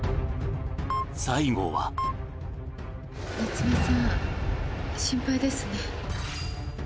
最後は夏目さん心配ですね。